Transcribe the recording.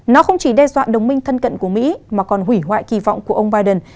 nó không chỉ đe dọa đồng minh thân cận của mỹ mà còn hủy hoại kỳ vọng của ông biden